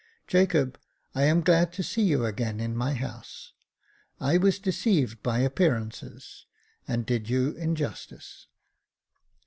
" Jacob, I am glad to see you again in my house ; I was deceived by appearances, and did you injustice."